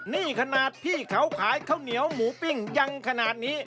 นี่ขนาดพี่เขาขายข้าวเหนียวหมูปิ้งยังขนาดนี้